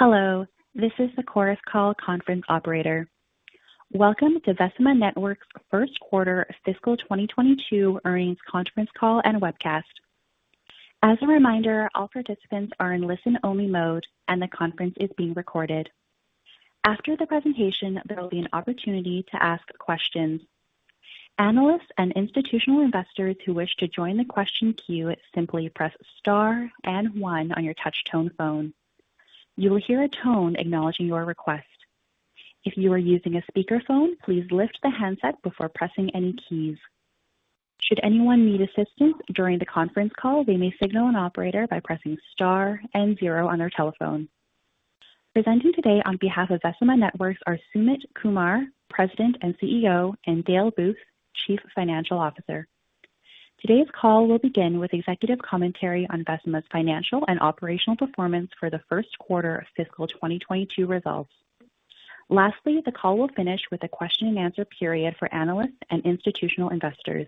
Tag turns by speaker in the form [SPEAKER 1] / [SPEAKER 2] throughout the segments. [SPEAKER 1] Hello, this is the Chorus Call conference operator. Welcome to Vecima Networks' first quarter fiscal 2022 earnings conference call and webcast. As a reminder, all participants are in listen-only mode, and the conference is being recorded. After the presentation, there will be an opportunity to ask questions. Analysts and institutional investors who wish to join the question queue, simply press * and one on your touch tone phone. You will hear a tone acknowledging your request. If you are using a speakerphone, please lift the handset before pressing any keys. Should anyone need assistance during the conference call, they may signal an operator by pressing * and zero on their telephone. Presenting today on behalf of Vecima Networks are Sumit Kumar, President and CEO, and Dale Booth, Chief Financial Officer. Today's call will begin with executive commentary on Vecima's financial and operational performance for the first quarter of fiscal 2022 results. Lastly, the call will finish with a question and answer period for analysts and institutional investors.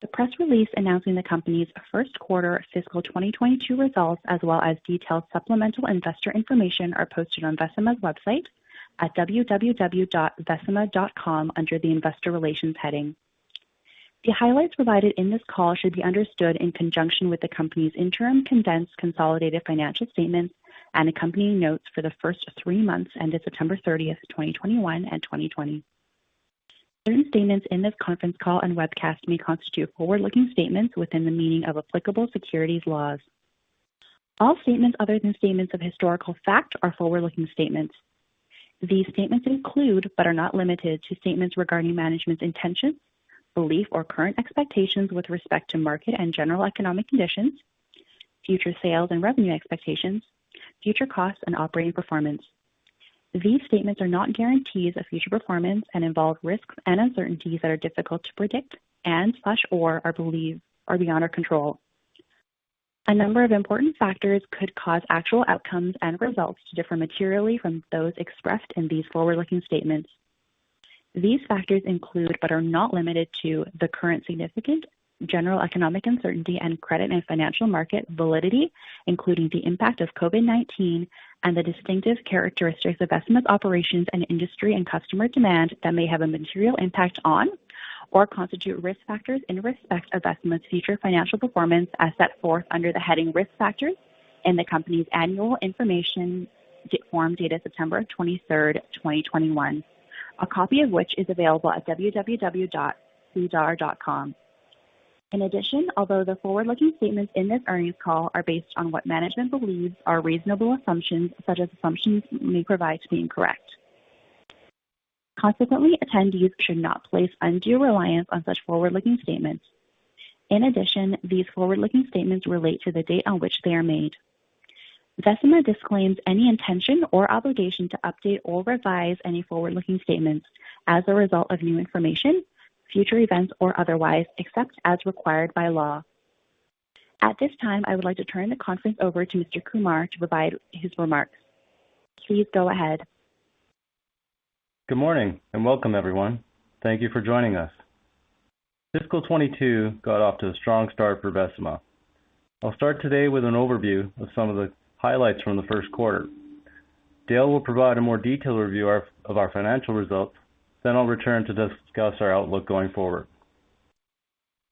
[SPEAKER 1] The press release announcing the company's first quarter fiscal 2022 results, as well as detailed supplemental investor information, are posted on Vecima's website at www.vecima.com under the Investor Relations heading. The highlights provided in this call should be understood in conjunction with the company's interim, condensed consolidated financial statements and accompanying notes for the first three months ended September 30, 2021 and 2020. Certain statements in this conference call and webcast may constitute forward-looking statements within the meaning of applicable securities laws. All statements other than statements of historical fact are forward-looking statements. These statements include, but are not limited to, statements regarding management's intentions, beliefs, or current expectations with respect to market and general economic conditions, future sales and revenue expectations, future costs and operating performance. These statements are not guarantees of future performance and involve risks and uncertainties that are difficult to predict and/or are beyond our control. A number of important factors could cause actual outcomes and results to differ materially from those expressed in these forward-looking statements. These factors include, but are not limited to, the current significant general economic uncertainty and credit and financial market volatility, including the impact of COVID-19 and the distinctive characteristics of Vecima's operations and industry and customer demand that may have a material impact on or constitute risk factors in respect of Vecima's future financial performance as set forth under the heading Risk Factors in the company's annual information form dated September 23, 2021. A copy of which is available at www.sedar.com. In addition, although the forward-looking statements in this earnings call are based on what management believes are reasonable assumptions, such assumptions may prove to be incorrect. Consequently, attendees should not place undue reliance on such forward-looking statements. In addition, these forward-looking statements relate to the date on which they are made. Vecima disclaims any intention or obligation to update or revise any forward-looking statements as a result of new information, future events, or otherwise, except as required by law. At this time, I would like to turn the conference over to Mr. Kumar to provide his remarks. Please go ahead.
[SPEAKER 2] Good morning and welcome, everyone. Thank you for joining us. Fiscal 2022 got off to a strong start for Vecima. I'll start today with an overview of some of the highlights from the first quarter. Dale will provide a more detailed review of our financial results, then I'll return to discuss our outlook going forward.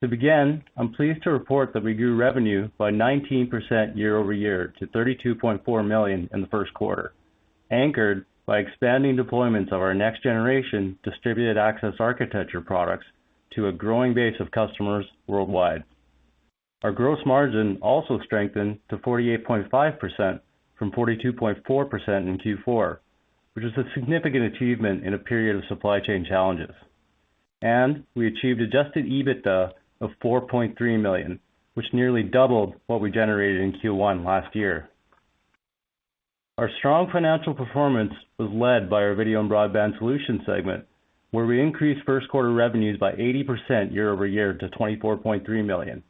[SPEAKER 2] To begin, I'm pleased to report that we grew revenue by 19% year-over-year to 32.4 million in the first quarter, anchored by expanding deployments of our next-generation Distributed Access Architecture products to a growing base of customers worldwide. Our gross margin also strengthened to 48.5% from 42.4% in Q4, which is a significant achievement in a period of supply chain challenges. We achieved adjusted EBITDA of 4.3 million, which nearly doubled what we generated in Q1 last year. Our strong financial performance was led by our Video and Broadband Solutions segment, where we increased first quarter revenues by 80% year-over-year to 24.3 million.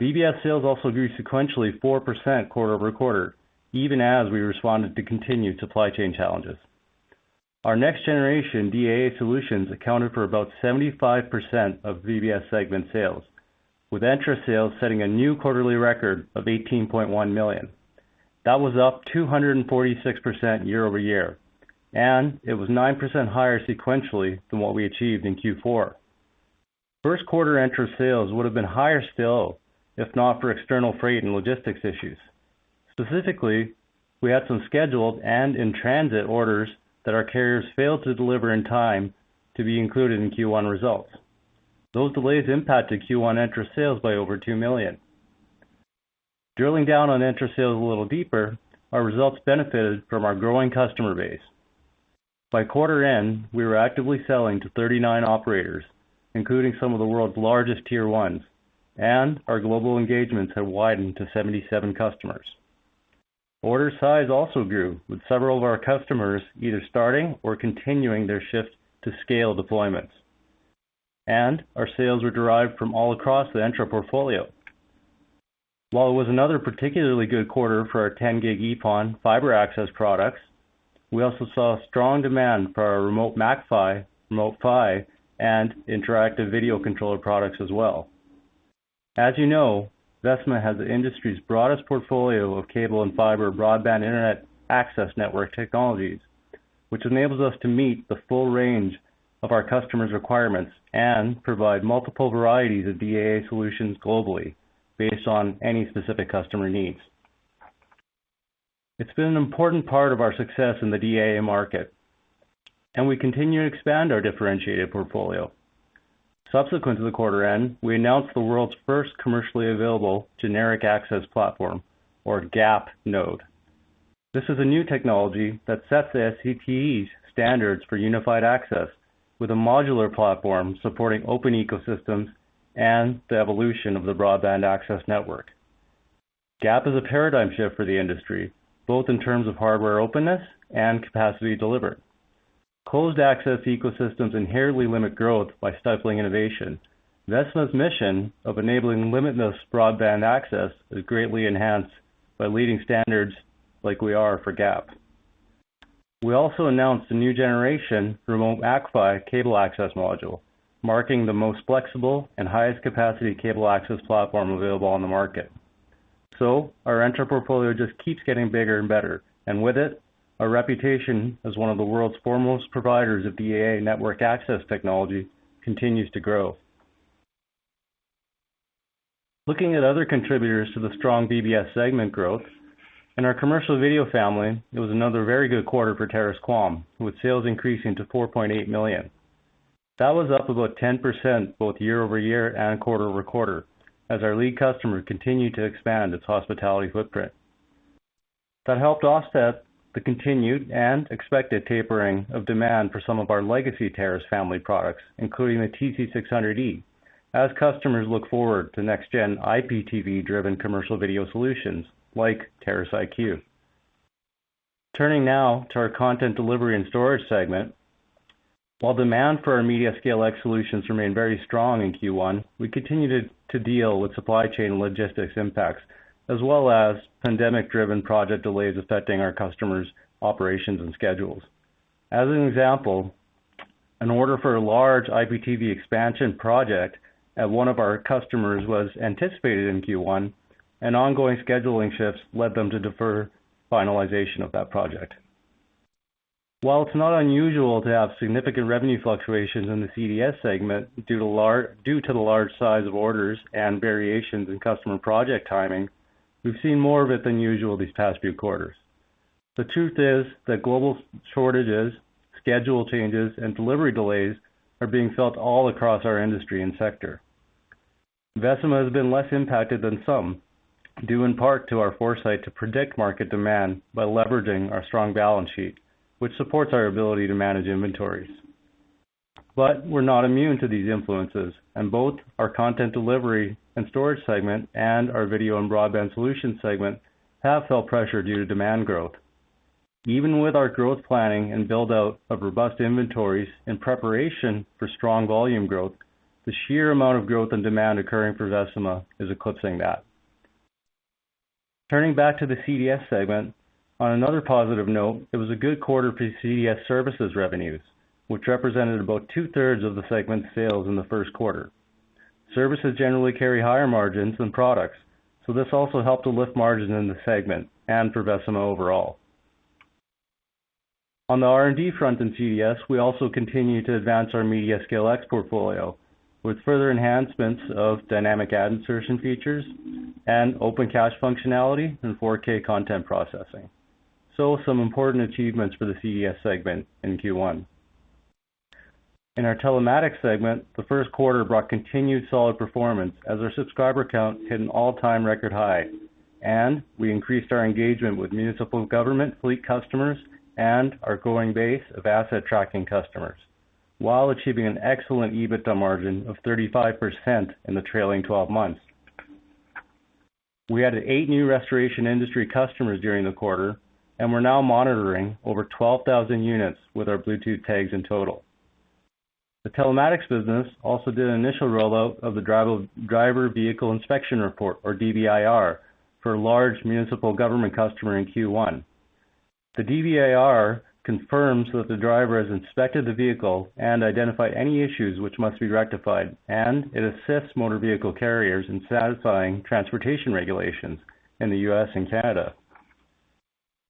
[SPEAKER 2] VBS sales also grew sequentially 4% quarter-over-quarter, even as we responded to continued supply chain challenges. Our next generation DAA solutions accounted for about 75% of VBS segment sales, with Entra sales setting a new quarterly record of 18.1 million. That was up 246% year-over-year, and it was 9% higher sequentially than what we achieved in Q4. First quarter Entra sales would have been higher still if not for external freight and logistics issues. Specifically, we had some scheduled and in-transit orders that our carriers failed to deliver in time to be included in Q1 results. Those delays impacted Q1 Entra sales by over 2 million. Drilling down on Entra sales a little deeper, our results benefited from our growing customer base. By quarter end, we were actively selling to 39 operators, including some of the world's largest tier ones, and our global engagements have widened to 77 customers. Order size also grew with several of our customers either starting or continuing their shift to scale deployments, and our sales were derived from all across the Entra portfolio. While it was another particularly good quarter for our 10G-EPON fiber access products, we also saw strong demand for our Remote MAC-PHY, Remote PHY, and interactive video controller products as well. As you know, Vecima has the industry's broadest portfolio of cable and fiber broadband internet access network technologies, which enables us to meet the full range of our customers' requirements and provide multiple varieties of DAA solutions globally based on any specific customer needs. It's been an important part of our success in the DAA market, and we continue to expand our differentiated portfolio. Subsequent to the quarter end, we announced the world's first commercially available generic access platform or GAP node. This is a new technology that sets the SCTE's standards for unified access with a modular platform supporting open ecosystems and the evolution of the broadband access network. GAP is a paradigm shift for the industry, both in terms of hardware openness and capacity delivered. Closed access ecosystems inherently limit growth by stifling innovation. Vecima's mission of enabling limitless broadband access is greatly enhanced by leading standards like we are for GAP. We also announced a new generation Remote MACPHY access module, marking the most flexible and highest capacity cable access platform available on the market. Our Entra portfolio just keeps getting bigger and better, and with it, our reputation as one of the world's foremost providers of DAA network access technology continues to grow. Looking at other contributors to the strong VBS segment growth in our commercial video family, it was another very good quarter for Terrace QAM, with sales increasing to 4.8 million. That was up about 10% both year-over-year and quarter-over-quarter as our lead customer continued to expand its hospitality footprint. That helped offset the continued and expected tapering of demand for some of our legacy Terrace family products, including the TC600E as customers look forward to next-gen IPTV-driven commercial video solutions like Terrace IQ. Turning now to our Content Delivery and Storage segment. While demand for our MediaScaleX solutions remained very strong in Q1, we continued to deal with supply chain logistics impacts as well as pandemic driven project delays affecting our customers' operations and schedules. As an example, an order for a large IPTV expansion project at one of our customers was anticipated in Q1, and ongoing scheduling shifts led them to defer finalization of that project. While it's not unusual to have significant revenue fluctuations in the CDS segment due to the large size of orders and variations in customer project timing, we've seen more of it than usual these past few quarters. The truth is that global shortages, schedule changes, and delivery delays are being felt all across our industry and sector. Vecima has been less impacted than some, due in part to our foresight to predict market demand by leveraging our strong balance sheet, which supports our ability to manage inventories. We're not immune to these influences, and both our Content Delivery and Storage segment and our Video and Broadband Solutions segment have felt pressure due to demand growth. Even with our growth planning and build out of robust inventories in preparation for strong volume growth, the sheer amount of growth and demand occurring for Vecima is eclipsing that. Turning back to the CDS segment, on another positive note, it was a good quarter for CDS services revenues, which represented about two-thirds of the segment sales in the first quarter. Services generally carry higher margins than products, so this also helped to lift margin in the segment and for Vecima overall. On the R&D front in CDS, we also continue to advance our MediaScaleX portfolio with further enhancements of dynamic ad insertion features and open cache functionality and 4K content processing. Some important achievements for the CDS segment in Q1. In our Telematics segment, the first quarter brought continued solid performance as our subscriber count hit an all-time record high, and we increased our engagement with municipal government fleet customers and our growing base of asset tracking customers while achieving an excellent EBITDA margin of 35% in the trailing twelve months. We added eight new restoration industry customers during the quarter, and we're now monitoring over 12,000 units with our Bluetooth tags in total. The Telematics business also did an initial rollout of the Driver Vehicle Inspection Report, or DVIR, for a large municipal government customer in Q1. The DVIR confirms that the driver has inspected the vehicle and identified any issues which must be rectified, and it assists motor vehicle carriers in satisfying transportation regulations in the U.S. and Canada.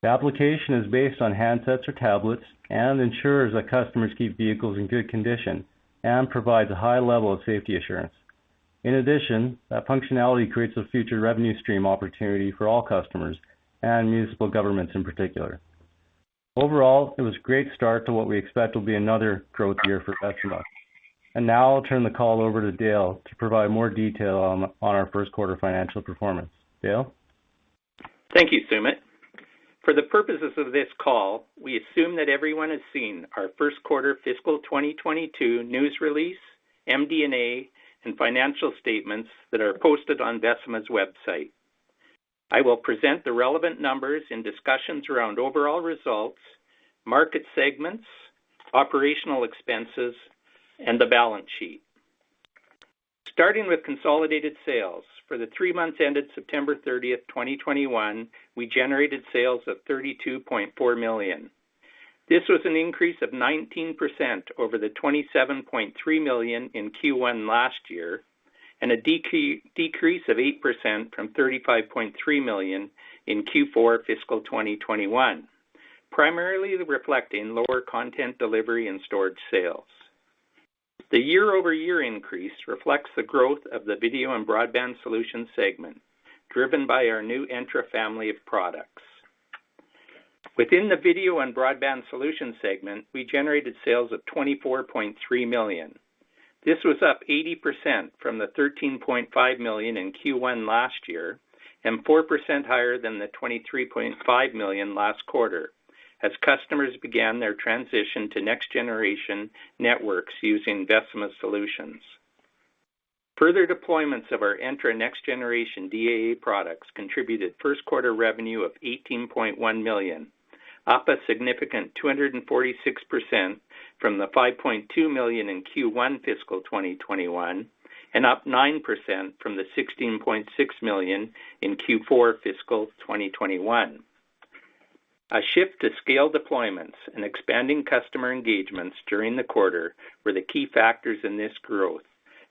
[SPEAKER 2] The application is based on handsets or tablets and ensures that customers keep vehicles in good condition and provides a high level of safety assurance. In addition, that functionality creates a future revenue stream opportunity for all customers and municipal governments in particular. Overall, it was a great start to what we expect will be another growth year for Vecima. Now I'll turn the call over to Dale to provide more detail on our first quarter financial performance. Dale?
[SPEAKER 3] Thank you, Sumit. For the purposes of this call, we assume that everyone has seen our first quarter fiscal 2022 news release, MD&A, and financial statements that are posted on Vecima's website. I will present the relevant numbers and discussions around overall results, market segments, operational expenses, and the balance sheet. Starting with consolidated sales. For the three months ended September 30, 2021, we generated sales of 32.4 million. This was an increase of 19% over the 27.3 million in Q1 last year, and a decrease of 8% from 35.3 million in Q4 fiscal 2021, primarily reflecting lower content delivery and storage sales. The year-over-year increase reflects the growth of the video and broadband solutions segment, driven by our new Entra family of products. Within the video and broadband solutions segment, we generated sales of 24.3 million. This was up 80% from the 13.5 million in Q1 last year, and 4% higher than the 23.5 million last quarter as customers began their transition to next-generation networks using Vecima solutions. Further deployments of our Entra next-generation DAA products contributed first quarter revenue of 18.1 million, up a significant 246% from the 5.2 million in Q1 fiscal 2021, and up 9% from the 16.6 million in Q4 fiscal 2021. A shift to scale deployments and expanding customer engagements during the quarter were the key factors in this growth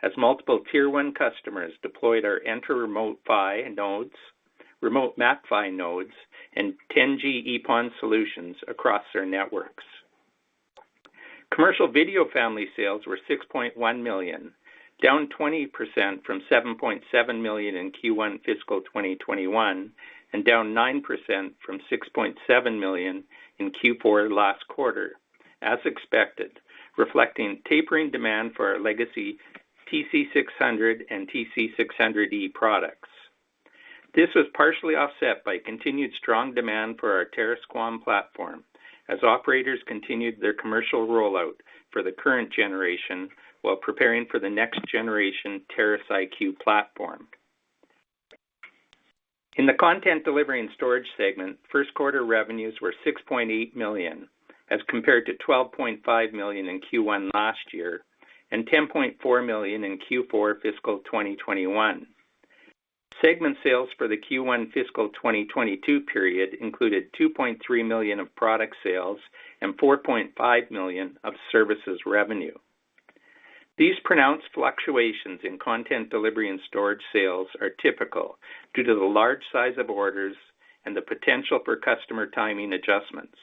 [SPEAKER 3] as multiple tier one customers deployed our Entra Remote PHY nodes, Remote MAC-PHY nodes, and 10G EPON solutions across their networks. Commercial video family sales were 6.1 million, down 20% from 7.7 million in Q1 fiscal 2021, and down 9% from 6.7 million in Q4 last quarter, as expected, reflecting tapering demand for our legacy TC600 and TC600E products. This was partially offset by continued strong demand for our Terrace QAM platform as operators continued their commercial rollout for the current generation while preparing for the next generation Terrace IQ platform. In the content delivery and storage segment, first quarter revenues were 6.8 million, as compared to 12.5 million in Q1 last year and 10.4 million in Q4 fiscal 2021. Segment sales for the Q1 fiscal 2022 period included CAD 2.3 million of product sales and CAD 4.5 million of services revenue. These pronounced fluctuations in content delivery and storage sales are typical due to the large size of orders and the potential for customer timing adjustments.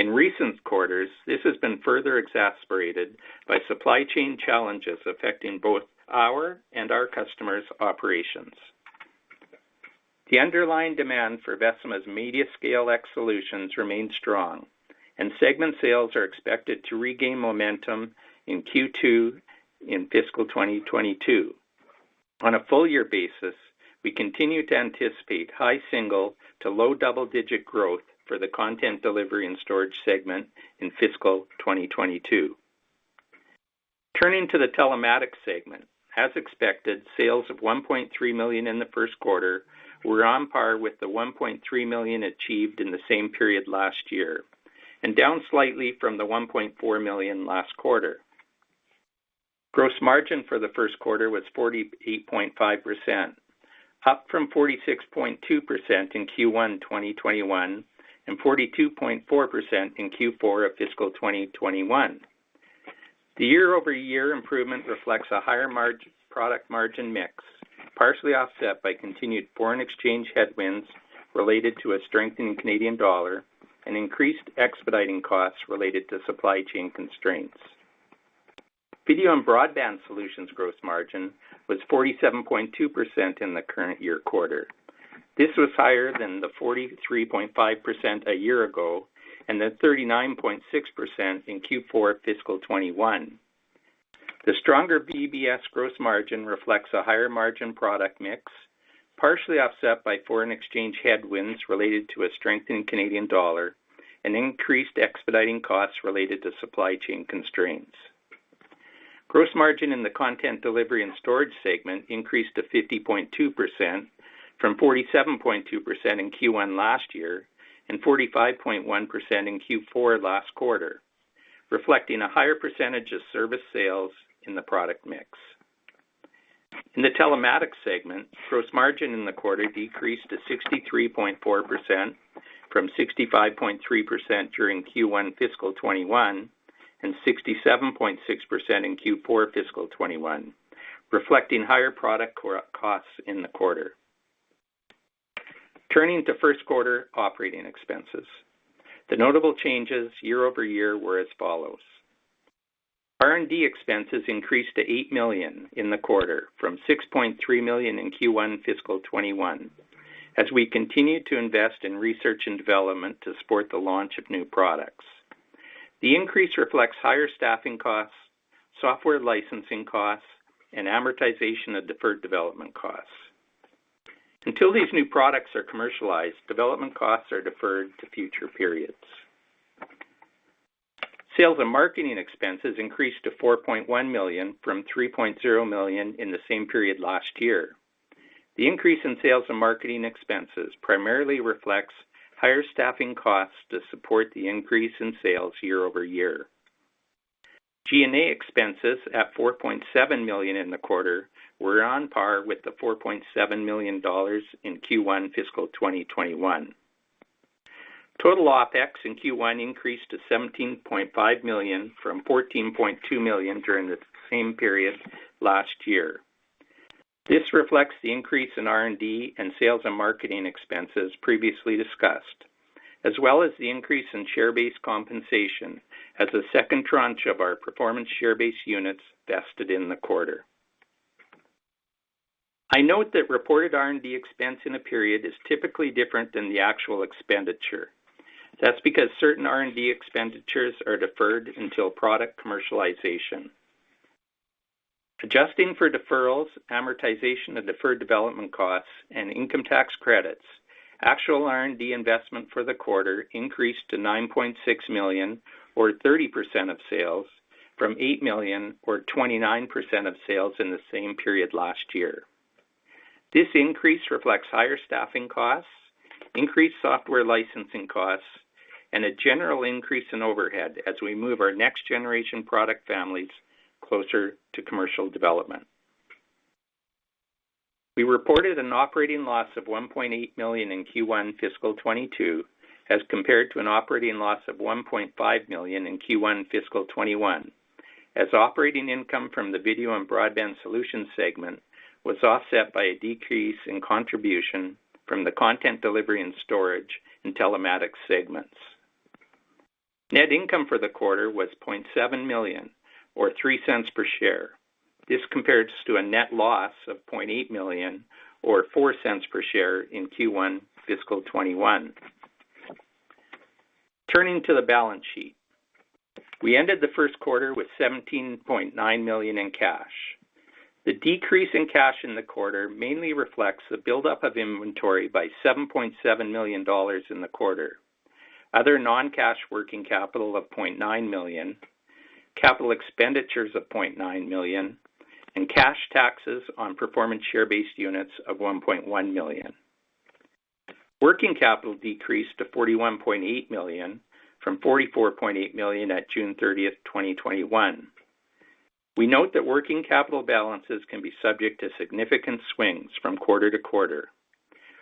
[SPEAKER 3] In recent quarters, this has been further exasperated by supply chain challenges affecting both our and our customers' operations. The underlying demand for Vecima's MediaScaleX solutions remains strong, and segment sales are expected to regain momentum in Q2 in fiscal 2022. On a full year basis, we continue to anticipate high single-digit to low double-digit growth for the content delivery and storage segment in fiscal 2022. Turning to the telematics segment. As expected, sales of 1.3 million in the first quarter were on par with the 1.3 million achieved in the same period last year, and down slightly from the 1.4 million last quarter. Gross margin for the first quarter was 48.5%, up from 46.2% in Q1 2021, and 42.4% in Q4 of fiscal 2021. The year-over-year improvement reflects a higher-margin product mix, partially offset by continued foreign exchange headwinds related to a strengthening Canadian dollar and increased expediting costs related to supply chain constraints. Video and Broadband Solutions gross margin was 47.2% in the current year quarter. This was higher than the 43.5% a year ago and the 39.6% in Q4 fiscal 2021. The stronger VBS gross margin reflects a higher margin product mix, partially offset by foreign exchange headwinds related to a strengthened Canadian dollar and increased expediting costs related to supply chain constraints. Gross margin in the content delivery and storage segment increased to 50.2% from 47.2% in Q1 last year and 45.1% in Q4 last quarter, reflecting a higher percentage of service sales in the product mix. In the telematics segment, gross margin in the quarter decreased to 63.4% from 65.3% during Q1 fiscal 2021 and 67.6% in Q4 fiscal 2021, reflecting higher product costs in the quarter. Turning to first quarter operating expenses. The notable changes year-over-year were as follows. R&D expenses increased to 8 million in the quarter from 6.3 million in Q1 fiscal 2021 as we continued to invest in research and development to support the launch of new products. The increase reflects higher staffing costs, software licensing costs, and amortization of deferred development costs. Until these new products are commercialized, development costs are deferred to future periods. Sales and marketing expenses increased to 4.1 million from 3.0 million in the same period last year. The increase in sales and marketing expenses primarily reflects higher staffing costs to support the increase in sales year-over-year. G&A expenses at 4.7 million in the quarter were on par with the 4.7 million dollars in Q1 fiscal 2021. Total OPEX in Q1 increased to 17.5 million from 14.2 million during the same period last year. This reflects the increase in R&D and sales and marketing expenses previously discussed, as well as the increase in share-based compensation as a second tranche of our performance share-based units vested in the quarter. I note that reported R&D expense in a period is typically different than the actual expenditure. That's because certain R&D expenditures are deferred until product commercialization. Adjusting for deferrals, amortization of deferred development costs, and income tax credits, actual R&D investment for the quarter increased to 9.6 million or 30% of sales from 8 million or 29% of sales in the same period last year. This increase reflects higher staffing costs, increased software licensing costs, and a general increase in overhead as we move our next generation product families closer to commercial development. We reported an operating loss of 1.8 million in Q1 fiscal 2022, as compared to an operating loss of 1.5 million in Q1 fiscal 2021, as operating income from the Video and Broadband Solutions segment was offset by a decrease in contribution from the Content Delivery and Storage and Telematics segments. Net income for the quarter was 0.7 million or 0.03 per share. This compares to a net loss of 0.8 million or 0.04 per share in Q1 fiscal 2021. Turning to the balance sheet. We ended the first quarter with 17.9 million in cash. The decrease in cash in the quarter mainly reflects the buildup of inventory by 7.7 million dollars in the quarter, other non-cash working capital of 0.9 million, capital expenditures of 0.9 million, and cash taxes on performance share-based units of 1.1 million. Working capital decreased to 41.8 million from 44.8 million at June 30, 2021. We note that working capital balances can be subject to significant swings from quarter to quarter.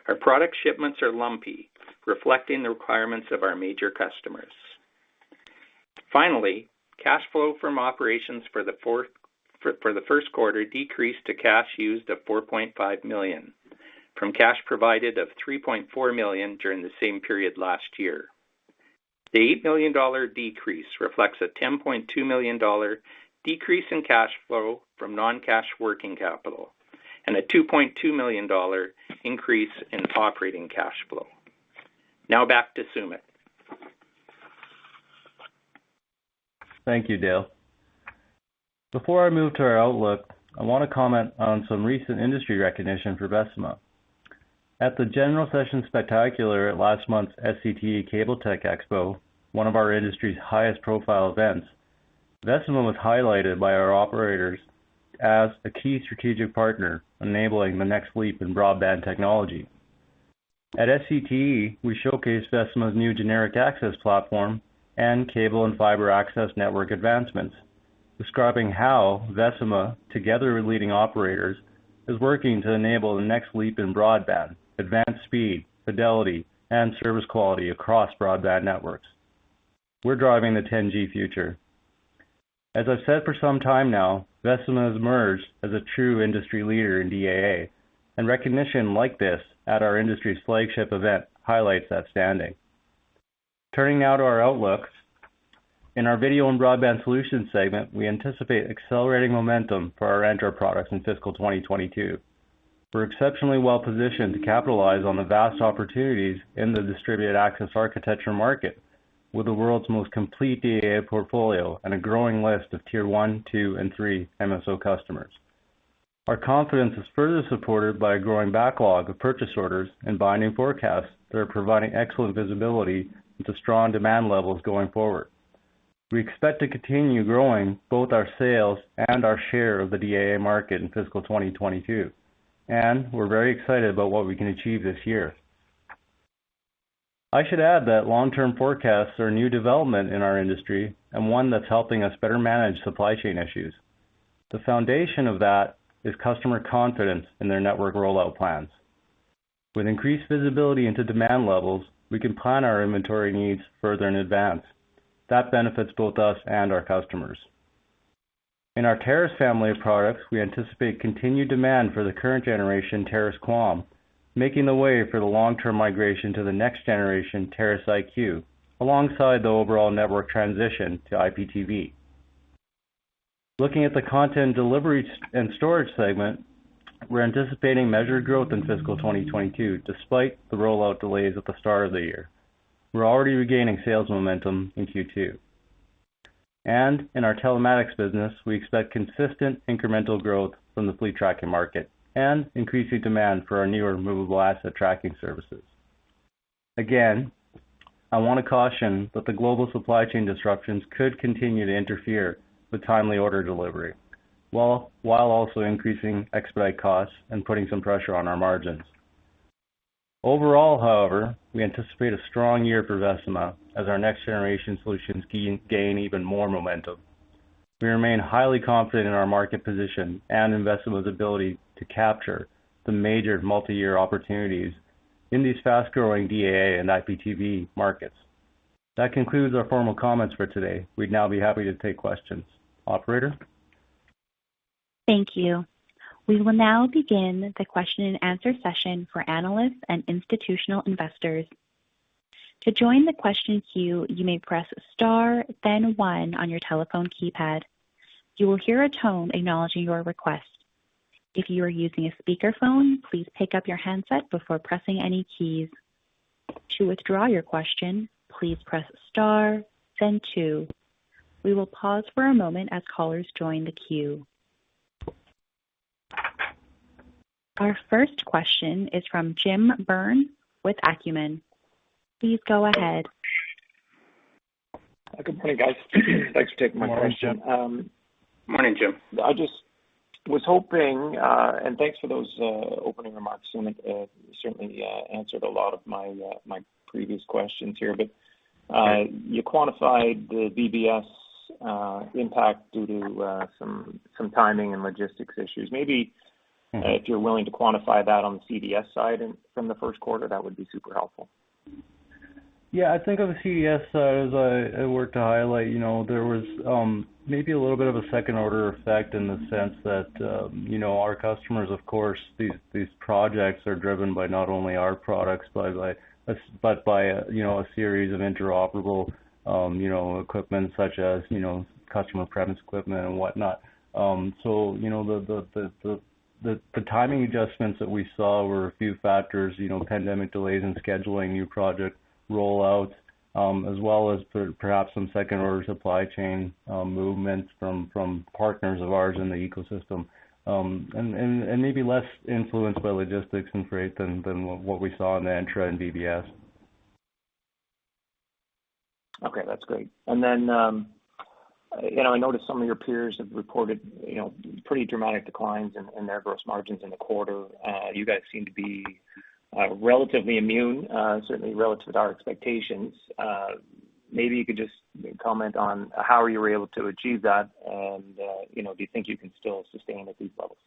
[SPEAKER 3] Our product shipments are lumpy, reflecting the requirements of our major customers. Finally, cash flow from operations for the first quarter decreased to cash used of 4.5 million, from cash provided of 3.4 million during the same period last year. The eight million dollar decrease reflects a 10.2 million dollar decrease in cash flow from non-cash working capital and a 2.2 million dollar increase in operating cash flow. Now back to Sumit.
[SPEAKER 2] Thank you, Dale. Before I move to our outlook, I want to comment on some recent industry recognition for Vecima. At the General Session Spectacular at last month's SCTE Cable-Tec Expo, one of our industry's highest profile events, Vecima was highlighted by our operators as a key strategic partner, enabling the next leap in broadband technology. At SCTE, we showcased Vecima's new Generic Access Platform and cable and fiber access network advancements, describing how Vecima, together with leading operators, is working to enable the next leap in broadband, advanced speed, fidelity, and service quality across broadband networks. We're driving the 10G future. As I've said for some time now, Vecima has emerged as a true industry leader in DAA, and recognition like this at our industry's flagship event highlights that standing. Turning now to our outlook. In our video and broadband solutions segment, we anticipate accelerating momentum for our Entra products in fiscal 2022. We're exceptionally well positioned to capitalize on the vast opportunities in the distributed access architecture market with the world's most complete DAA portfolio and a growing list of tier one, two, and three MSO customers. Our confidence is further supported by a growing backlog of purchase orders and binding forecasts that are providing excellent visibility into strong demand levels going forward. We expect to continue growing both our sales and our share of the DAA market in fiscal 2022, and we're very excited about what we can achieve this year. I should add that long-term forecasts are a new development in our industry and one that's helping us better manage supply chain issues. The foundation of that is customer confidence in their network rollout plans. With increased visibility into demand levels, we can plan our inventory needs further in advance. That benefits both us and our customers. In our Terrace family of products, we anticipate continued demand for the current generation, Terrace QAM, making the way for the long-term migration to the next generation, Terrace IQ, alongside the overall network transition to IPTV. Looking at the content delivery and storage segment, we're anticipating measured growth in fiscal 2022 despite the rollout delays at the start of the year. We're already regaining sales momentum in Q2. In our telematics business, we expect consistent incremental growth from the fleet tracking market and increasing demand for our newer removable asset tracking services. Again, I want to caution that the global supply chain disruptions could continue to interfere with timely order delivery, while also increasing expedite costs and putting some pressure on our margins. Overall, however, we anticipate a strong year for Vecima as our next generation solutions gain even more momentum. We remain highly confident in our market position and investing ability to capture the major multi-year opportunities in these fast-growing DAA and IPTV markets. That concludes our formal comments for today. We'd now be happy to take questions. Operator?
[SPEAKER 1] Thank you. We will now begin the question-and-answer session for analysts and institutional investors. To join the question queue, you may press * then one on your telephone keypad. You will hear a tone acknowledging your request. If you are using a speakerphone, please pick up your handset before pressing any keys. To withdraw your question, please press * then two. We will pause for a moment as callers join the queue. Our first question is from Jim Byrne [Equity Research Analyst] (Acumen Capital Partners) with Acumen. Please go ahead.
[SPEAKER 4] Good morning, guys. Thanks for taking my question.
[SPEAKER 2] Morning, Jim.
[SPEAKER 4] I just was hoping, and thanks for those opening remarks. You certainly answered a lot of my previous questions here, but-
[SPEAKER 2] Yeah.
[SPEAKER 4] You quantified the VBS impact due to some timing and logistics issues. Maybe-
[SPEAKER 2] Mm-hmm.
[SPEAKER 4] If you're willing to quantify that on the CDS side and from the first quarter, that would be super helpful.
[SPEAKER 2] Yeah. I think on the CDS side, as I worked to highlight, you know, there was maybe a little bit of a second order effect in the sense that, you know, our customers, of course, these projects are driven by not only our products, but by, you know, a series of interoperable, you know, equipment such as, you know, customer premise equipment and whatnot. So, you know, the timing adjustments that we saw were a few factors, you know, pandemic delays in scheduling new project rollouts, as well as perhaps some second order supply chain movements from partners of ours in the ecosystem, and maybe less influenced by logistics and freight than what we saw in Entra and VBS.
[SPEAKER 4] Okay, that's great. You know, I noticed some of your peers have reported, you know, pretty dramatic declines in their gross margins in the quarter. You guys seem to be relatively immune, certainly relative to our expectations. Maybe you could just comment on how you were able to achieve that and, you know, do you think you can still sustain at these levels?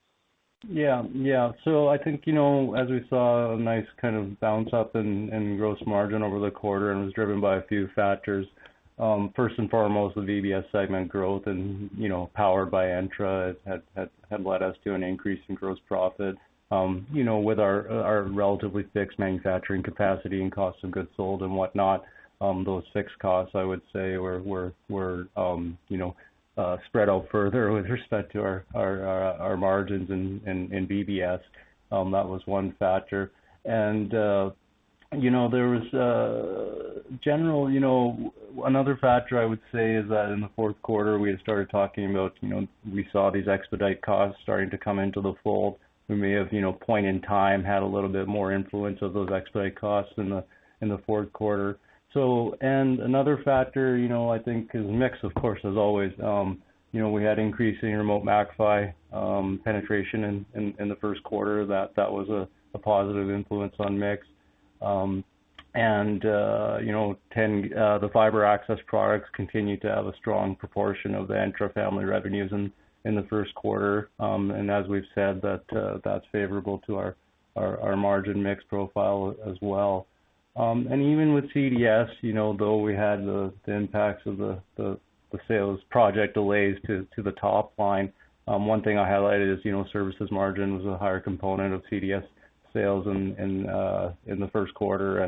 [SPEAKER 2] Yeah. I think, you know, as we saw a nice kind of bounce up in gross margin over the quarter and was driven by a few factors. First and foremost, the VBS segment growth and, you know, powered by Entra had led us to an increase in gross profit. You know, with our relatively fixed manufacturing capacity and cost of goods sold and whatnot, those fixed costs, I would say were spread out further with respect to our margins in VBS. That was one factor. Another factor I would say is that in the fourth quarter, we had started talking about, you know, we saw these expedite costs starting to come into the fold. We may have at a point in time had a little bit more influence of those expedite costs in the fourth quarter. Another factor I think is mix, of course, as always. We had increasing Remote MAC-PHY penetration in the first quarter. That was a positive influence on mix. Then the fiber access products continued to have a strong proportion of the Entra family revenues in the first quarter. As we've said, that's favorable to our margin mix profile as well. Even with CDS, you know, though we had the impacts of the sales project delays to the top line, one thing I highlighted is, you know, services margin was a higher component of CDS sales in the first quarter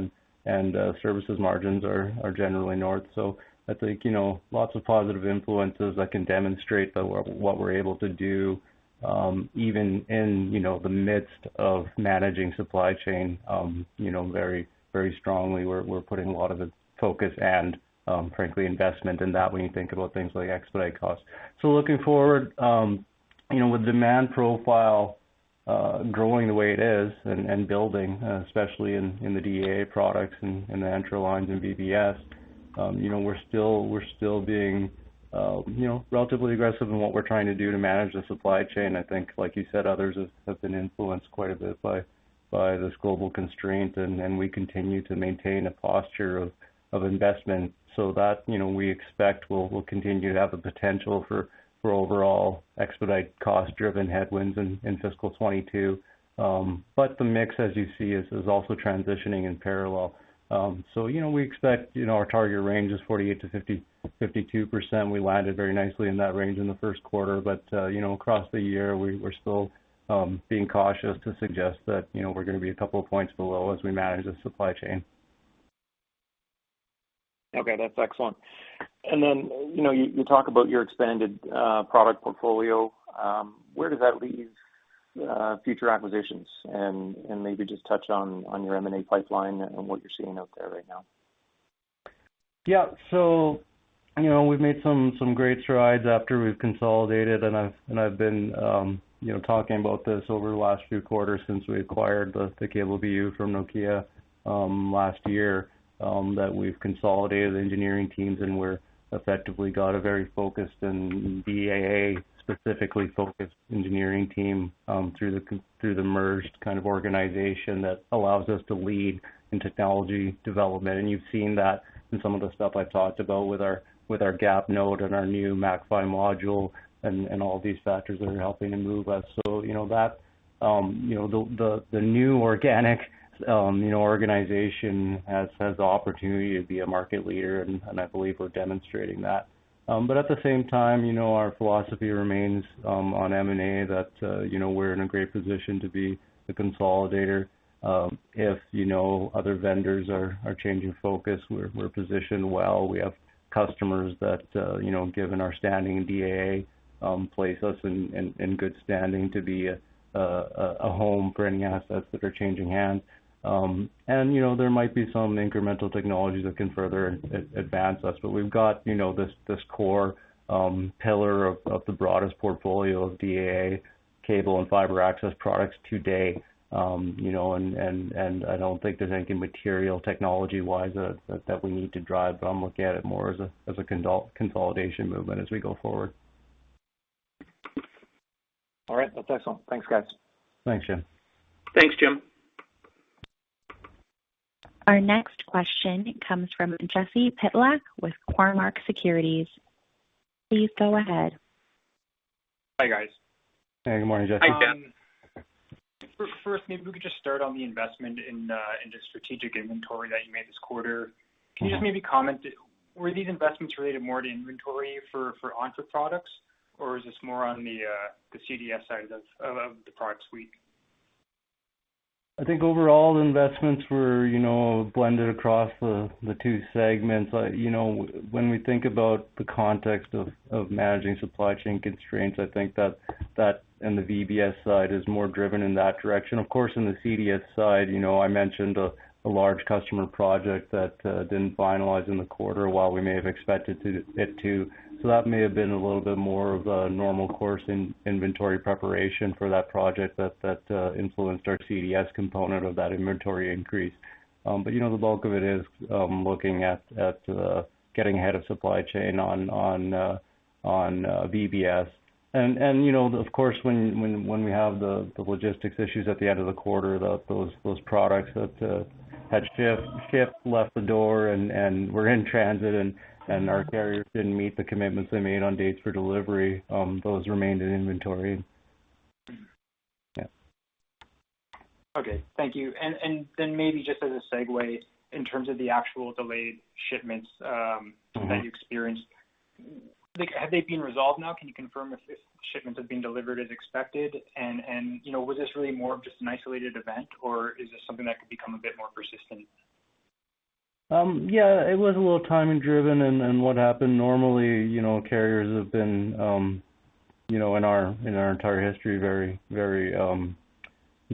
[SPEAKER 2] and services margins are generally north. I think, you know, lots of positive influences that can demonstrate what we're able to do, even in, you know, the midst of managing supply chain, you know, very strongly. We're putting a lot of the focus and frankly investment in that when you think about things like expedite costs. Looking forward, you know, with demand profile growing the way it is and building, especially in the DAA products and in the Entra lines and VBS, you know, we're still being relatively aggressive in what we're trying to do to manage the supply chain. I think, like you said, others have been influenced quite a bit by this global constraint, and we continue to maintain a posture of investment. That, you know, we expect will continue to have the potential for overall expedite cost-driven headwinds in fiscal 2022. The mix, as you see, is also transitioning in parallel. You know, we expect, you know, our target range is 48%-52%. We landed very nicely in that range in the first quarter. You know, across the year, we're still being cautious to suggest that, you know, we're gonna be a couple of points below as we manage the supply chain.
[SPEAKER 4] Okay, that's excellent. You know, you talk about your expanded product portfolio. Where does that leave future acquisitions? Maybe just touch on your M&A pipeline and what you're seeing out there right now.
[SPEAKER 2] Yeah. You know, we've made some great strides after we've consolidated, and I've been, you know, talking about this over the last few quarters since we acquired the Cable BU from Nokia. Last year, that we've consolidated engineering teams and we're effectively got a very focused and DAA specifically focused engineering team, through the merged kind of organization that allows us to lead in technology development. You've seen that in some of the stuff I talked about with our GAP node and our new MAC-PHY module and all these factors that are helping to move us. You know, that, you know, the new organic, you know, organization has the opportunity to be a market leader, and I believe we're demonstrating that. At the same time, you know, our philosophy remains on M&A that, you know, we're in a great position to be the consolidator. If, you know, other vendors are changing focus, we're positioned well. We have customers that, you know, given our standing in DAA, place us in good standing to be a home for any assets that are changing hands. And, you know, there might be some incremental technologies that can further advance us. But we've got, you know, this core pillar of the broadest portfolio of DAA cable and fiber access products today. You know, and I don't think there's anything material technology-wise that we need to drive, but I'm looking at it more as a consolidation movement as we go forward.
[SPEAKER 4] All right. That's excellent. Thanks, guys.
[SPEAKER 2] Thanks, Jim.
[SPEAKER 3] Thanks, Jim.
[SPEAKER 1] Our next question comes from Jesse Pytlak Ole Pregel (Cormark Securities) with Cormark Securities. Please go ahead.
[SPEAKER 5] Hi, guys.
[SPEAKER 2] Hey, good morning, Jesse.
[SPEAKER 5] Um-
[SPEAKER 2] Hi, Jesse...
[SPEAKER 5] first, maybe we could just start on the investment in the strategic inventory that you made this quarter.
[SPEAKER 2] Sure.
[SPEAKER 5] Can you just maybe comment, were these investments related more to inventory for Entra products, or is this more on the CDS side of the product suite?
[SPEAKER 2] I think overall investments were, you know, blended across the two segments. You know, when we think about the context of managing supply chain constraints, I think that in the VBS side is more driven in that direction. Of course, in the CDS side, you know, I mentioned a large customer project that didn't finalize in the quarter while we may have expected it to. That may have been a little bit more of a normal course in inventory preparation for that project that influenced our CDS component of that inventory increase. But, you know, the bulk of it is looking at getting ahead of supply chain on VBS. You know, of course, when we have the logistics issues at the end of the quarter, those products that had shipped, left the door and were in transit and our carriers didn't meet the commitments they made on dates for delivery, those remained in inventory. Yeah.
[SPEAKER 5] Okay. Thank you. Maybe just as a segue in terms of the actual delayed shipments.
[SPEAKER 2] Mm-hmm
[SPEAKER 5] that you experienced. Like, have they been resolved now? Can you confirm if shipments have been delivered as expected? You know, was this really more of just an isolated event, or is this something that could become a bit more persistent?
[SPEAKER 2] Yeah, it was a little timing driven and what happened normally. You know, carriers have been, you know, in our entire history, very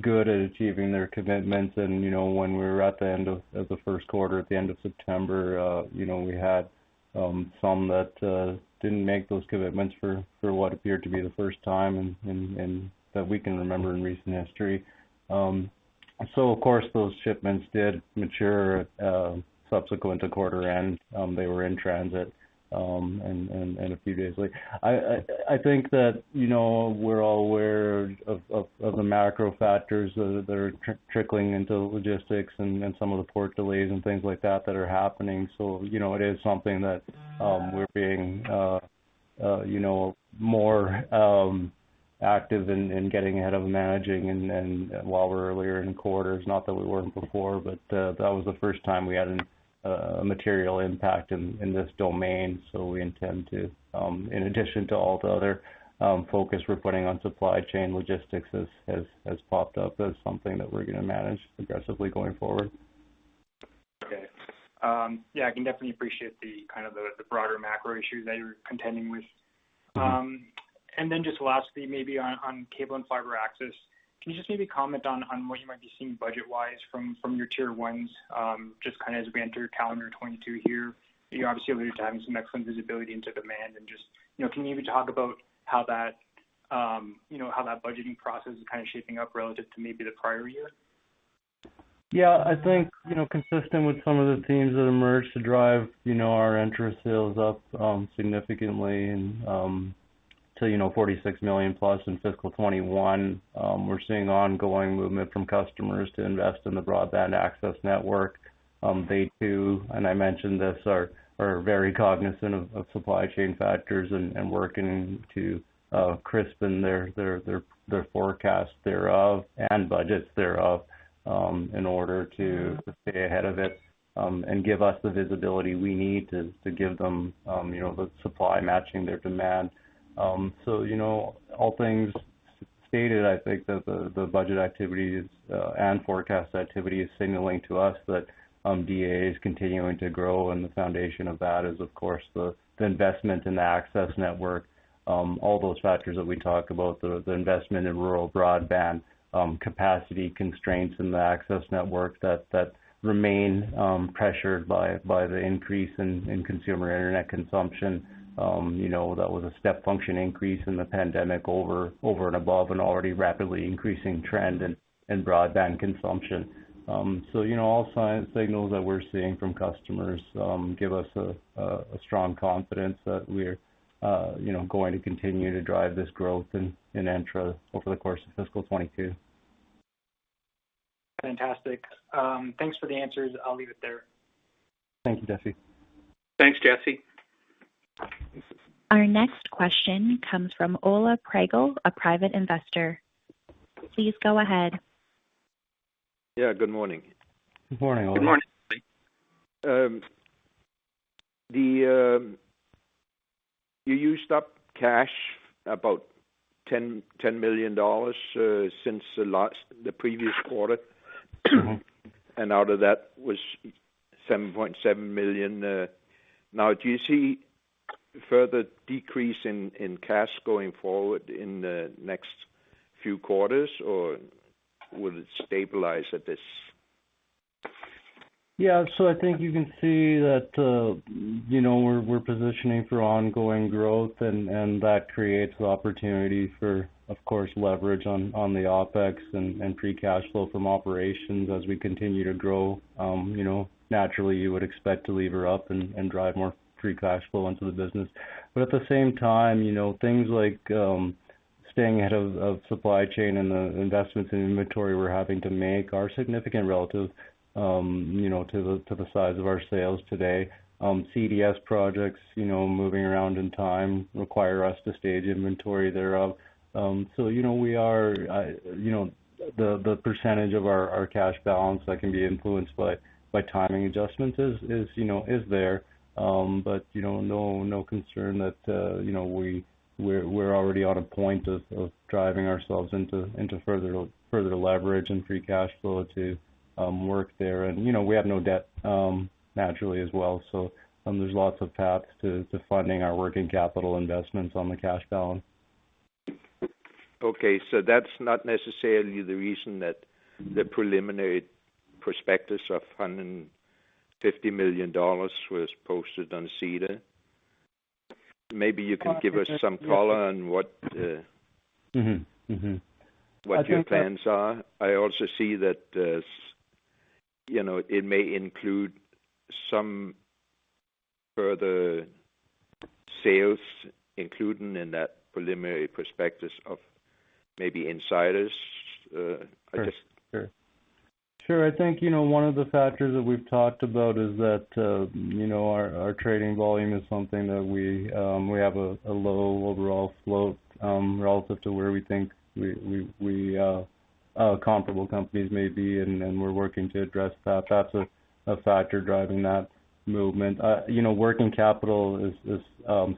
[SPEAKER 2] good at achieving their commitments. You know, when we were at the end of the first quarter, at the end of September, you know, we had some that didn't make those commitments for what appeared to be the first time and that we can remember in recent history. Of course, those shipments did mature subsequent to quarter end. They were in transit and a few days late. I think that, you know, we're all aware of the macro factors that are trickling into logistics and some of the port delays and things like that that are happening. You know, it is something that we're being you know more active in getting ahead of managing and while we're earlier in quarters, not that we weren't before, but that was the first time we had a material impact in this domain. We intend to, in addition to all the other focus we're putting on, supply chain logistics has popped up as something that we're gonna manage aggressively going forward.
[SPEAKER 5] Okay. Yeah, I can definitely appreciate the kind of the broader macro issues that you're contending with.
[SPEAKER 2] Mm-hmm.
[SPEAKER 5] Just lastly, maybe on cable and fiber access, can you just maybe comment on what you might be seeing budget-wise from your tier ones, just kinda as we enter calendar 2022 here? You obviously alluded to having some excellent visibility into demand. Just, you know, can you maybe talk about how that budgeting process is kinda shaping up relative to maybe the prior year?
[SPEAKER 2] Yeah. I think, you know, consistent with some of the themes that emerged to drive, you know, our interest in sales up significantly and to, you know, 46 million plus in fiscal 2021, we're seeing ongoing movement from customers to invest in the broadband access network. They too, and I mentioned this, are very cognizant of supply chain factors and working to crispen their forecast thereof and budgets thereof in order to stay ahead of it and give us the visibility we need to give them, you know, the supply matching their demand. You know, all things stated, I think that the budget activity and forecast activity is signaling to us that DAA is continuing to grow, and the foundation of that is of course the investment in the access network. All those factors that we talked about, the investment in rural broadband, capacity constraints in the access network that remain pressured by the increase in consumer internet consumption. You know, that was a step function increase in the pandemic over and above an already rapidly increasing trend in broadband consumption. You know, all signals that we're seeing from customers give us a strong confidence that we're you know going to continue to drive this growth in Entra over the course of fiscal 2022.
[SPEAKER 5] Fantastic. Thanks for the answers. I'll leave it there.
[SPEAKER 2] Thank you, Jesse.
[SPEAKER 3] Thanks, Jesse.
[SPEAKER 1] Our next question comes from Ole Praeger, a Private Investor. Please go ahead.
[SPEAKER 6] Yeah. Good morning.
[SPEAKER 2] Good morning, Ole.
[SPEAKER 3] Good morning.
[SPEAKER 6] You used up cash about 10 million dollars since the previous quarter. Out of that was 7.7 million. Now, do you see further decrease in cash going forward in the next few quarters, or will it stabilize at this?
[SPEAKER 2] I think you can see that, you know, we're positioning for ongoing growth and that creates opportunity for, of course, leverage on the OPEX and free cash flow from operations as we continue to grow. You know, naturally, you would expect to lever up and drive more free cash flow into the business. But at the same time, you know, things like staying ahead of supply chain and the investments in inventory we're having to make are significant relative, you know, to the size of our sales today. CDS projects, you know, moving around in time require us to stage inventory thereof. You know, we are, you know, the percentage of our cash balance that can be influenced by timing adjustments is, you know, there. You know, no concern that you know, we're already at a point of driving ourselves into further leverage and free cash flow to work there. You know, we have no debt, naturally as well. There's lots of paths to funding our working capital investments on the cash balance.
[SPEAKER 6] Okay. That's not necessarily the reason that the preliminary prospectus of 150 million dollars was posted on SEDAR. Maybe you can give us some color on what?
[SPEAKER 2] Mm-hmm. Mm-hmm....
[SPEAKER 6] what your plans are. I also see that, you know, it may include some further sales including in that preliminary prospectus of maybe insiders, I guess.
[SPEAKER 2] Sure. I think, you know, one of the factors that we've talked about is that, you know, our trading volume is something that we have a low overall float, relative to where we think comparable companies may be, and we're working to address that. That's a factor driving that movement. You know, working capital is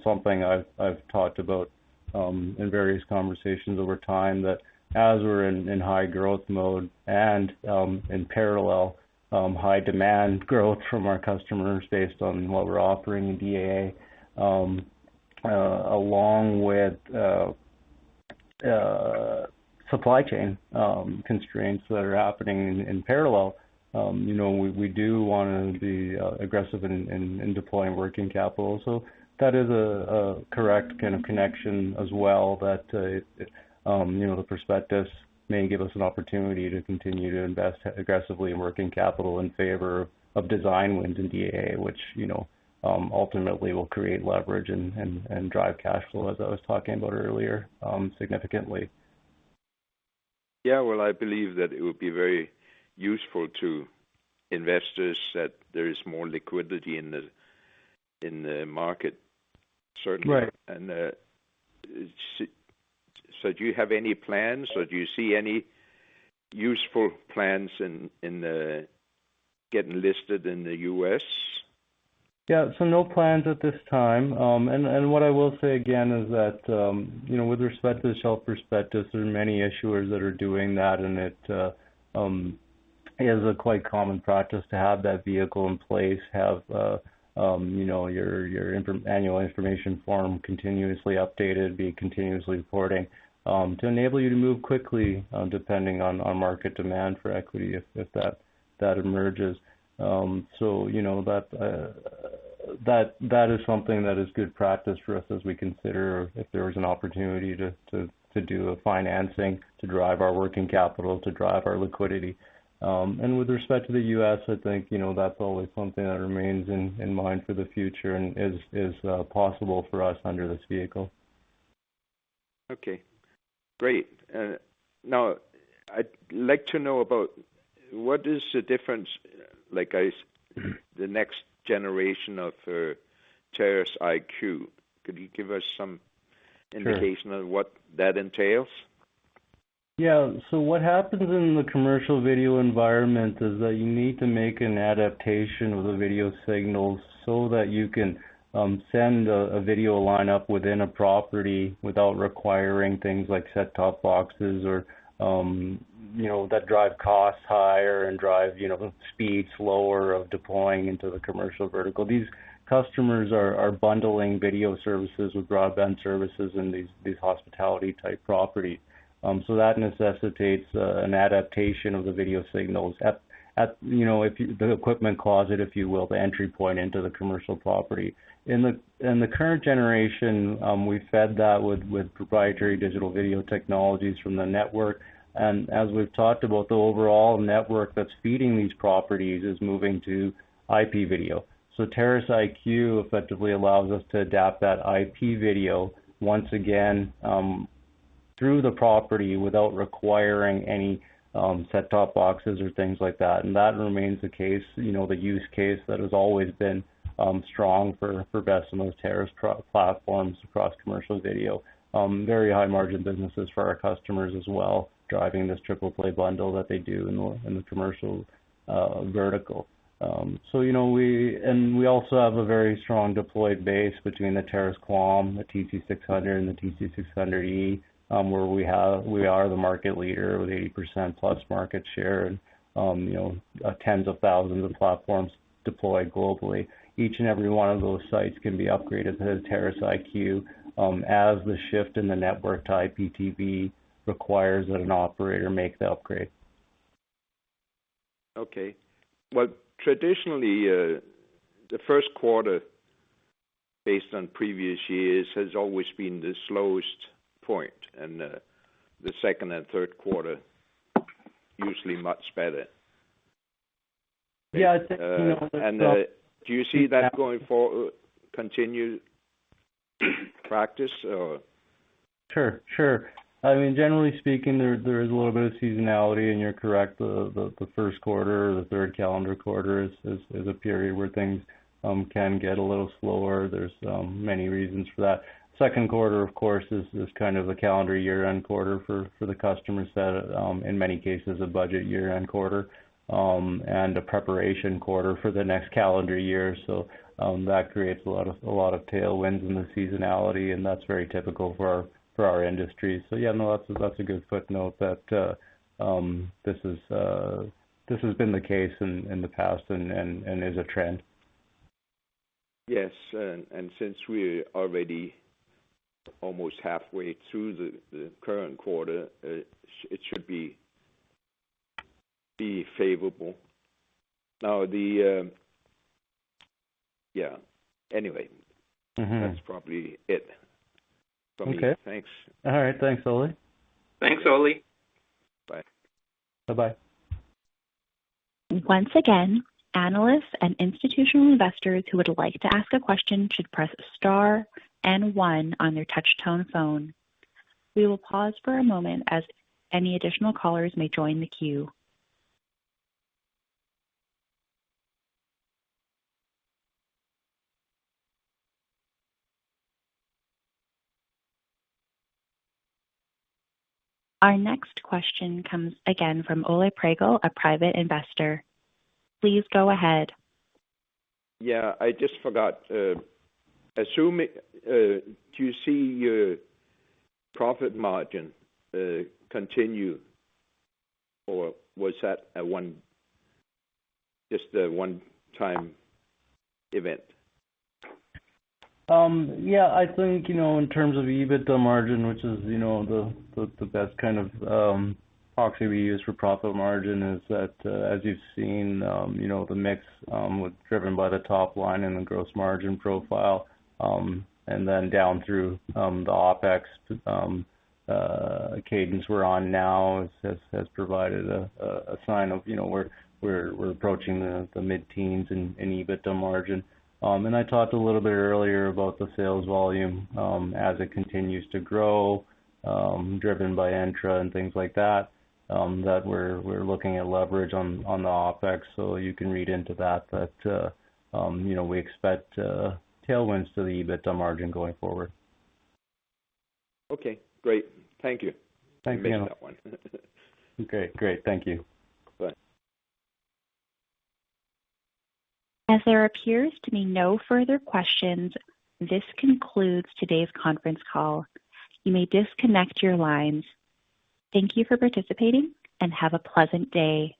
[SPEAKER 2] something I've talked about in various conversations over time that as we're in high growth mode and in parallel, high demand growth from our customers based on what we're offering in DAA, along with supply chain constraints that are happening in parallel, you know, we do wanna be aggressive in deploying working capital. that is a correct kind of connection as well that you know the prospectus may give us an opportunity to continue to invest aggressively in working capital in favor of design wins in DAA, which you know ultimately will create leverage and drive cash flow, as I was talking about earlier, significantly.
[SPEAKER 6] Yeah. Well, I believe that it would be very useful to investors that there is more liquidity in the market, certainly.
[SPEAKER 2] Right.
[SPEAKER 6] So do you have any plans, or do you see any useful plans in getting listed in the U.S.?
[SPEAKER 2] Yeah. No plans at this time. And what I will say again is that, you know, with respect to the shelf prospectus, there are many issuers that are doing that, and it is a quite common practice to have that vehicle in place, have, you know, your annual information form continuously updated, be continuously reporting, to enable you to move quickly, depending on market demand for equity if that emerges. You know, that is something that is good practice for us as we consider if there was an opportunity to do a financing to drive our working capital, to drive our liquidity. With respect to the U.S., I think, you know, that's always something that remains in mind for the future and is possible for us under this vehicle.
[SPEAKER 6] Okay. Great. Now I'd like to know about what is the difference, like the next generation of Terrace IQ. Could you give us some indication-
[SPEAKER 2] Sure
[SPEAKER 6] on what that entails?
[SPEAKER 2] What happens in the commercial video environment is that you need to make an adaptation of the video signal so that you can send a video line up within a property without requiring things like set-top boxes or that drive costs higher and drive speed slower of deploying into the commercial vertical. These customers are bundling video services with broadband services in these hospitality type property. That necessitates an adaptation of the video signals at the equipment closet, if you will, the Entra point into the commercial property. In the current generation, we fed that with proprietary digital video technologies from the network. As we've talked about, the overall network that's feeding these properties is moving to IP video. Terrace IQ effectively allows us to adapt that IP video once again through the property without requiring any set-top boxes or things like that. That remains the case, you know, the use case that has always been strong for Vecima's Terrace platforms across commercial video. Very high margin businesses for our customers as well, driving this triple play bundle that they do in the commercial vertical. You know, we also have a very strong deployed base between the Terrace QAM, the TC600, and the TC600E, where we are the market leader with 80%+ market share and, you know, tens of thousands of platforms deployed globally. Each and every one of those sites can be upgraded to the Terrace IQ, as the shift in the network to IPTV requires that an operator make the upgrade.
[SPEAKER 6] Okay. Well, traditionally, the first quarter based on previous years has always been the slowest point, and the second and third quarter usually much better.
[SPEAKER 2] Yeah. It's, you know,
[SPEAKER 6] Do you see that continued practice or?
[SPEAKER 2] Sure. I mean, generally speaking, there is a little bit of seasonality, and you're correct. The first quarter, the third calendar quarter is a period where things can get a little slower. There's many reasons for that. Second quarter, of course, is kind of the calendar year-end quarter for the customers that in many cases, a budget year-end quarter and a preparation quarter for the next calendar year. That creates a lot of tailwinds in the seasonality, and that's very typical for our industry. That's a good footnote that this has been the case in the past and is a trend.
[SPEAKER 6] Yes. Since we're already almost halfway through the current quarter, it should be favorable. Yeah. Anyway.
[SPEAKER 2] Mm-hmm.
[SPEAKER 6] That's probably it from me.
[SPEAKER 2] Okay.
[SPEAKER 6] Thanks.
[SPEAKER 2] All right. Thanks, Ole.
[SPEAKER 6] Thanks, Ole. Bye.
[SPEAKER 2] Bye-bye.
[SPEAKER 1] Once again, analysts and institutional investors who would like to ask a question should press star and one on their touch tone phone. We will pause for a moment as any additional callers may join the queue. Our next question comes again from Ole Praeger, a Private Investor. Please go ahead.
[SPEAKER 6] Do you see your profit margin continue or was that just a one-time event?
[SPEAKER 2] Yeah, I think, you know, in terms of EBITDA margin, which is, you know, the best kind of proxy we use for profit margin is that, as you've seen, you know, the mix was driven by the top line and the gross margin profile, and then down through the OpEx cadence we're on now has provided a sign of, you know, we're approaching the mid-teens in EBITDA margin. I talked a little bit earlier about the sales volume as it continues to grow, driven by Entra and things like that we're looking at leverage on the OpEx. You can read into that, you know, we expect tailwinds to the EBITDA margin going forward.
[SPEAKER 6] Okay, great. Thank you.
[SPEAKER 2] Thank you.
[SPEAKER 6] one.
[SPEAKER 2] Okay, great. Thank you.
[SPEAKER 6] Bye.
[SPEAKER 1] As there appears to be no further questions, this concludes today's conference call. You may disconnect your lines. Thank you for participating, and have a pleasant day.